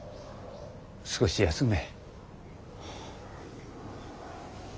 少し休め。